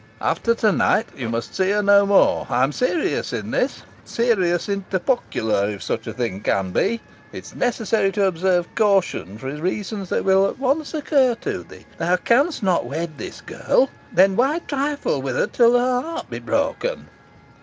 After to night you must see her no more. I am serious in this serious inter pocula, if such a thing can be. It is necessary to observe caution, for reasons that will at once occur to thee. Thou canst not wed this girl then why trifle with her till her heart be broken."